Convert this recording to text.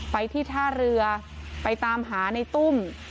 ไปที่ท่าเรือไปตามหาในตุ้ม